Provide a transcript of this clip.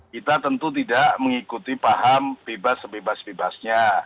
kita tentu tidak mengikuti paham bebas sebebas bebasnya